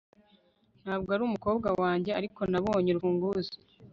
ntabwo arumukobwa wanjye, ariko nabonye urufunguzo